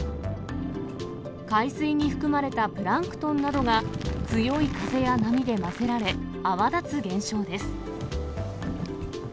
海水に含まれたプランクトンなどが、強い風や波で混ぜられ、泡立つ現象です。